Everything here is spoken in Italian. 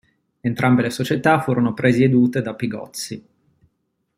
Entrambe le società furono presiedute da Pigozzi.